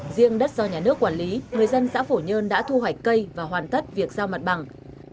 riêng đất do nhà nước quản lý người dân xã phổ nhơn đã thu hoạch cây và hoàn tất việc giao mặt bằng